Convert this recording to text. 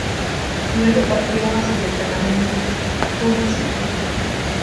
Luego partió hacia el destacamento policial.